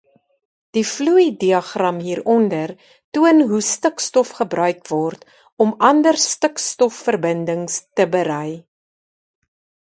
Die vloeidiagram hieronder toon hoe stikstof gebruik word om ander stikstofverbindings te berei.